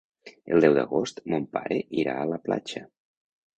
El deu d'agost mon pare irà a la platja.